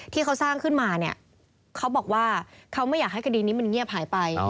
ที่เขาสร้างขึ้นมาเนี่ยเขาบอกว่าเขาไม่อยากให้คดีนี้มันเงียบหายไป